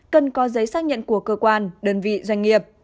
cần có giấy xác nhận của cơ quan đơn vị doanh nghiệp